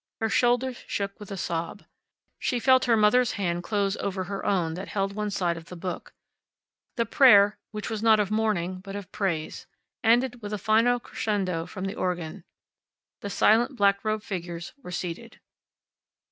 Her shoulders shook with a sob. She felt her mother's hand close over her own that held one side of the book. The prayer, that was not of mourning but of praise, ended with a final crescendo from the organ, The silent black robed figures were seated.